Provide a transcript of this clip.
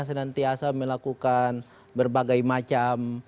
senantiasa melakukan berbagai macam